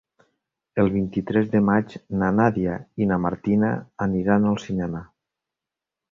El vint-i-tres de maig na Nàdia i na Martina aniran al cinema.